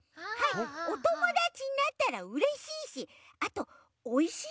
おともだちになったらうれしいしあとおいしいですしね。